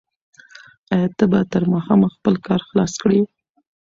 آیا ته به تر ماښامه خپل کار خلاص کړې؟